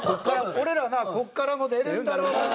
俺らなここからも出るんだろうなって。